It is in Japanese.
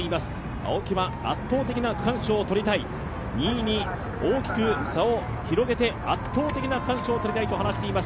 青木は圧倒的な区間賞を取りたい、２位に大きく差を広げて圧倒的な区間賞を取りたいと話しています。